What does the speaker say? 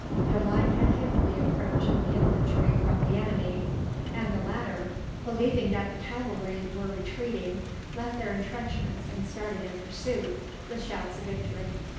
Their line had hidden the approach of the infantry from the enemy; and the latter, believing that the cavalry were retreating, left their entrenchments and started in pursuit, with shouts of victory.